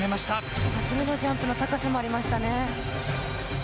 ジャンプの高さもありましたね。